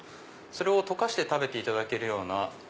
それを溶かして食べていただけるような